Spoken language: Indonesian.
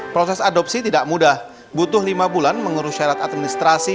proses adopsi tidak mudah butuh lima bulan mengurus syarat administrasi